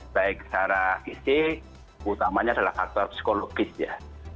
baik secara fisik utamanya adalah faktor psikologis ya